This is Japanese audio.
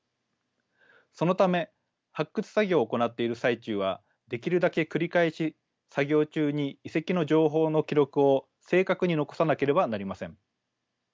そのため発掘作業を行っている最中はできるだけ繰り返し作業中に遺跡の情報の記録を正確に残さなければなりません。